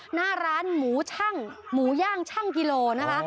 หน้าร้านหมูชั่งหมูย่างช่างกิโลนะคะ